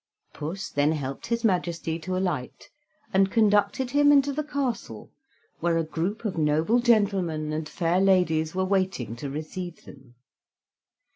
Puss then helped his Majesty to alight, and conducted him into the castle, where a group of noble gentlemen and fair ladies were waiting to receive them.